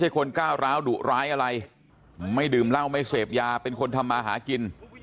คนก้าวร้าวดุร้ายอะไรไม่ดื่มเหล้าไม่เสพยาเป็นคนทำมาหากิน